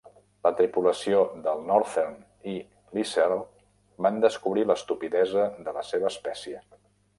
La tripulació del "Northern" i Lieserl van descobrir l'estupidesa de la seva espècie.